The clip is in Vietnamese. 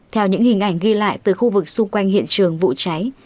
theo những hình ảnh ghi lại từ khu vực xung quanh hiện trường vụ cháy